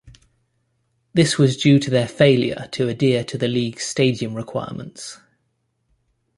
This was due to their failure to adhere to the leagues Stadium requirements.